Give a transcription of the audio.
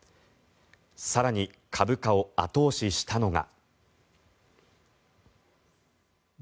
更に、株価を後押ししたのが。